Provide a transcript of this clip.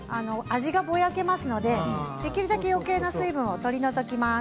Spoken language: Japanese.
味がぼやけますのでできるだけよけいな水分を取り除きます。